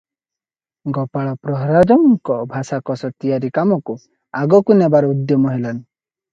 ଗୋପାଳ ପ୍ରହରାଜଙ୍କ ଭାଷାକୋଷ ତିଆରି କାମକୁ ଆଗକୁ ନେବାର ଉଦ୍ୟମ ହେଲାଣି ।